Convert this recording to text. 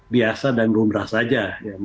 biasa dan rumrah saja